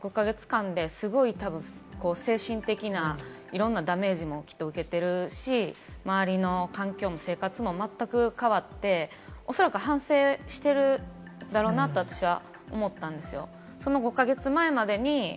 ５か月たって、この５か月間ですごい精神的ないろんなダメージもきっと受けてるし、周りの環境も生活もまったく変わっておそらく反省してるだろうなと私は思ったんですよ。